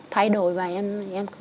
thay đổi và em